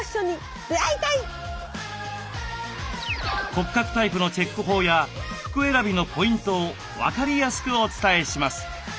骨格タイプのチェック法や服選びのポイントを分かりやすくお伝えします。